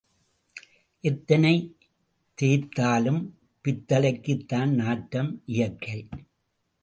எத்தனை தேய்த்தாலும் பித்தளைக்குத் தன் நாற்றம் இயற்கை.